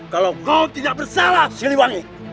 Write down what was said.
kalau kau tidak bersalah siliwangi